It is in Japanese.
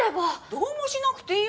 どうもしなくていいわよ。